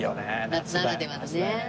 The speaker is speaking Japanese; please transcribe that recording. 夏ならではのね。